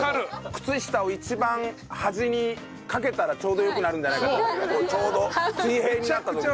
靴下を一番端にかけたらちょうどよくなるんじゃないかちょうど水平になった時にさ。